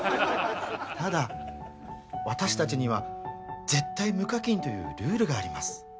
ただ私たちには絶対無課金というルールがあります。